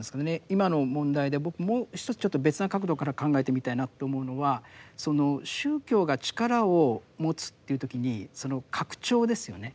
今の問題で僕もう一つちょっと別な角度から考えてみたいなと思うのはその宗教が力を持つっていう時にその拡張ですよね